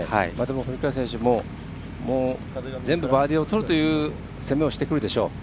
古川選手も全部バーディーをとるという攻めをしてくるでしょう。